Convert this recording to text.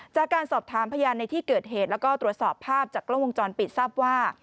จากการสอบถามพยานในที่เกิดเหตุแล้วก็ตรวจสอบภาพจากกล้องวงจรปิดทราบว่า